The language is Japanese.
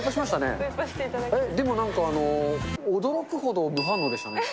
でもなんか、驚くほど無反応でしたね。